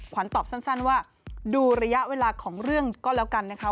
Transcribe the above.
ขวัญตอบสั้นว่าดูระยะเวลาของเรื่องก็แล้วกันนะคะ